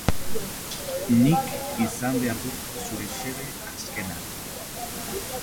Nik izan behar dut zure xede azkena.